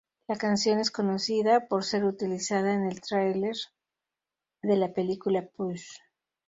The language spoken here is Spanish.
La canción es conocida por ser utilizada en el trailer de la película "Push".